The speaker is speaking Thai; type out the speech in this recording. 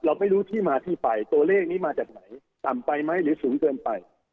เราไม่รู้ที่มาที่ไปตัวเลขนี้มาจากไหนต่ำไปไหมหรือสูงเกินไป